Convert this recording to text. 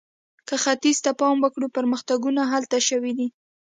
که ختیځ ته پام وکړو، پرمختګونه هلته شوي دي.